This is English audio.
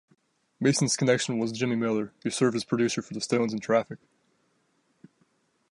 Mason's connection was Jimmy Miller, who served as producer for the Stones and Traffic.